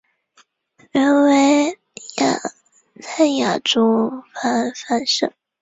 原为泰雅族芃芃社。